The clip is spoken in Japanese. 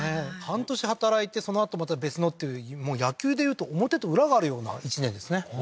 半年働いてそのあとまた別のっていう野球でいうと表と裏があるような１年ですね